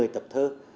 một mươi tập thơ